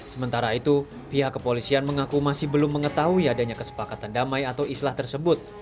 sementara itu pihak kepolisian mengaku masih belum mengetahui adanya kesepakatan damai atau islah tersebut